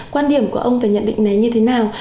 quan điểm của ông về nhận định này như thế nào